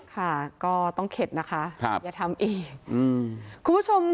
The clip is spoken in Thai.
ค่ะก็ต้องเข็ดนะคะอย่าทำอีก